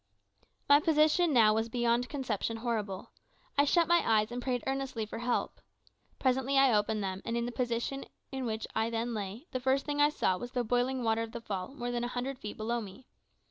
My position now was beyond conception horrible. I shut my eyes and prayed earnestly for help. Presently I opened them, and in the position in which I then lay, the first thing I saw was the boiling water of the fall more than a hundred feet below me.